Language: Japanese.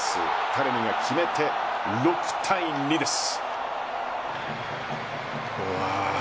タレミが決めて６対２です。